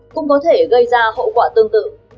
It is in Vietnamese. cũng có thể gây ra hậu quả tương tự